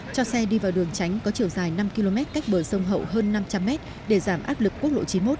cho xe đi vào đường tránh có chiều dài năm km cách bờ sông hậu hơn năm trăm linh m để giảm áp lực quốc lộ chín mươi một